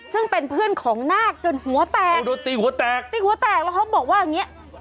ซึ่งเป็นเพื่อนของนาคจนหัวแตกโดนตีหัวแตกตีหัวแตกแล้วเขาบอกว่าอย่างเงี้ย